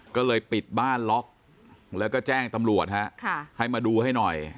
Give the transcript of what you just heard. ก็เลยปิดบ้านล็อกแล้วก็แจ้งตำรวจฮะให้มาดูให้หน่อย